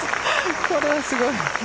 これはすごい。